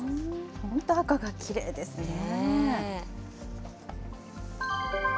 本当、赤がきれいですね。